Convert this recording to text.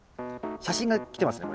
写真が来てますね